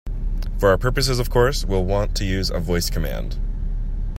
For our purposes, of course, we'll want to use a voice command.